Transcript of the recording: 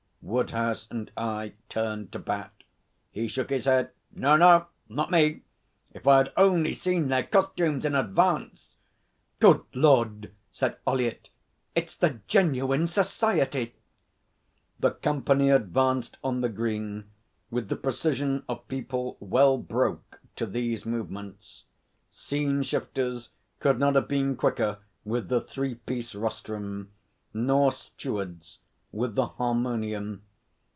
Woodhouse and I turned to Bat. He shook his head. 'No, no! Not me.... If I had only seen their costumes in advance!' 'Good Lord!' said Ollyett. 'It's the genuine Society!' The company advanced on the green with the precision of people well broke to these movements. Scene shifters could not have been quicker with the three piece rostrum, nor stewards with the harmonium.